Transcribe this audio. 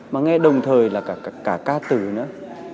mà nghe đồng thời là cả ca từ nữa